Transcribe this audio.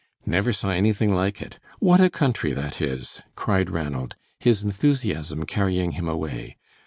"Never saw anything like it. What a country that is!" cried Ranald, his enthusiasm carrying him away.